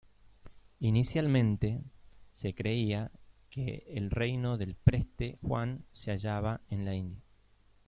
Inicialmente, se creía que el reino del Preste Juan se hallaba en la India.